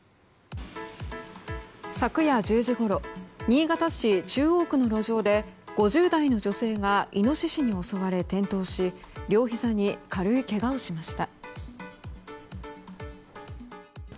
昨夜１０時ごろ新潟市中央区の路上で５０代の女性がイノシシに襲われ、転倒し両ひざに軽いけがをしました。